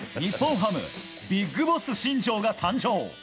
ハムビッグボス新庄が誕生。